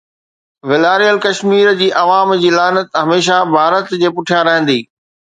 والاريل ڪشمير جي عوام جي لعنت هميشه ڀارت جي پٺيان رهندي